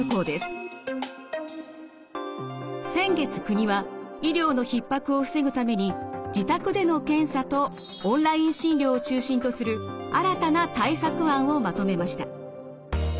先月国は医療のひっ迫を防ぐために自宅での検査とオンライン診療を中心とする新たな対策案をまとめました。